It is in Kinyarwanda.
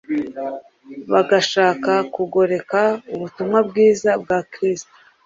bagashaka kugoreka ubutumwa bwiza bwa Kristo